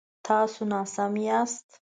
تاسو ناسم یاست